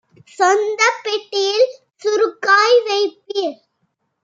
சொந்தப் பெட்டியில் சுருக்காய் வைப்பீர்"